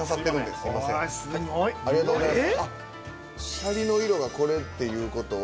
シャリの色がこれっていう事は。